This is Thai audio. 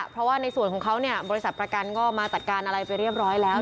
เพราะว่าในส่วนของเขาเนี่ยบริษัทประกันก็มาจัดการอะไรไปเรียบร้อยแล้ว